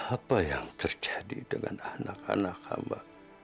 apa yang terjadi dengan anak anak hamba